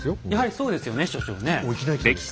やはりそうですよね所長ねえ。